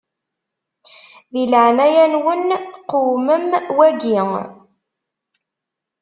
Di leɛnaya-nwen qewmem waki.